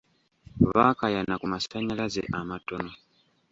Baakayana ku masannyalaze amatono.